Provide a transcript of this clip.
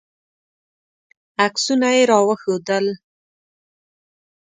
عکسونه یې راوښودل.